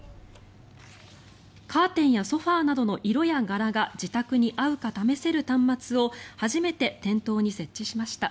カーテンやソファなどの色や柄が自宅に合うか試せる端末を初めて店頭に設置しました。